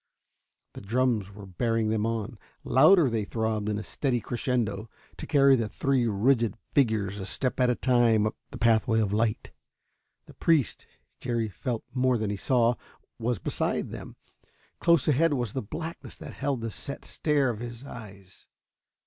The drums were bearing them on. Louder they throbbed in a steady crescendo, to carry the three rigid figures a step at a time up the pathway of light. The priest, Jerry felt more than saw, was beside them. Close ahead was the blackness that held the set stare of his eyes.